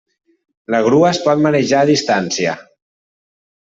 La grua es pot manejar a distància.